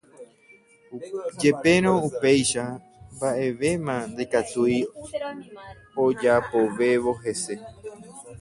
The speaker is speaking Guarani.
Jepérõ upéicha mba'evéma ndaikatúi ojapovévo hese.